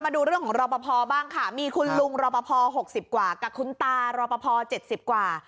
มาดูเรื่องของรอปภบ้างค่ะมีคุณลุงรอปภ๖๐กว่ากับคุณตารอปภ๗๐กว่า